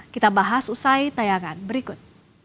kita bahas usai tayangan berikut